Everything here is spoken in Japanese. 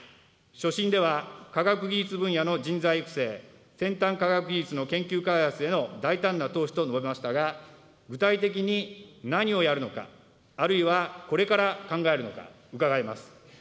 所信では科学技術分野の人材育成、先端科学技術の研究開発への大胆な投資と述べましたが、具体的に何をやるのか、あるいはこれから考えるのか、伺います。